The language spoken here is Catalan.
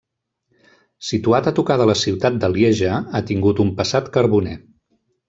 Situat a tocar de la ciutat de Lieja, ha tingut un passat carboner.